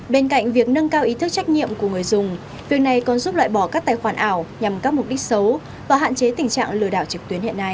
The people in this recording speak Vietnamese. bên cạnh việc nâng cao ý thức trách nhiệm của người dùng việc này còn giúp loại bỏ các tài khoản ảo nhằm các mục đích xấu và hạn chế tình trạng lừa đảo trực tuyến hiện nay